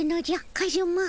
カズマ。